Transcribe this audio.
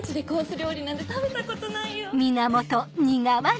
料理なんて食べたことないよ！